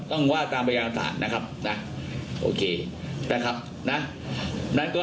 ว่าตามพยานฐานนะครับนะโอเคนะครับนะนั้นก็